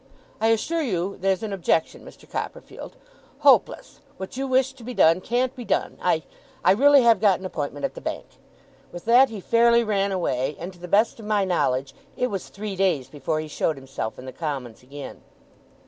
'I assure you there's an objection, Mr. Copperfield. Hopeless! What you wish to be done, can't be done. I I really have got an appointment at the Bank.' With that he fairly ran away; and to the best of my knowledge, it was three days before he showed himself in the Commons again.